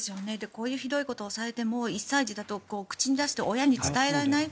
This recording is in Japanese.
こういうひどいことをされても１歳児だと口に出して親に伝えられない。